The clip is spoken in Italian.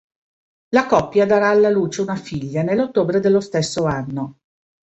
La coppia darà alla luce una figlia nell'ottobre dello stesso anno.